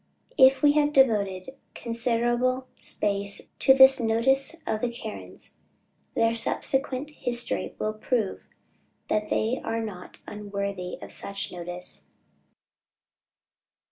If we have devoted considerable space to this notice of the Karens, their subsequent history will prove that they are not unworthy of such notice.